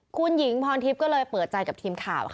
คุณหญิงพรทิพย์ก็เลยเปิดใจกับทีมข่าวค่ะ